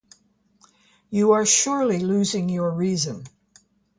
You are surely losing your reason.